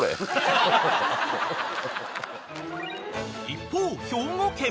［一方兵庫県］